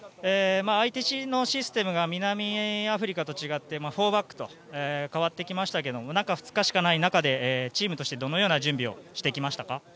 相手のシステムが南アフリカと違って、４バックに変わってきましたが中２日しかない中でチームとしてどのような準備をしてきましたか。